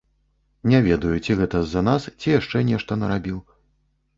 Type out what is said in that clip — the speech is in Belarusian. Не ведаю, ці гэта з-за нас, ці яшчэ нешта нарабіў.